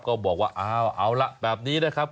ก็บอกว่าเอาล่ะแบบนี้นะครับ